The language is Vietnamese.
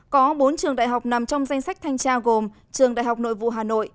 có bốn trường đại học nằm trong danh sách thanh tra gồm trường đại học nội vụ hà nội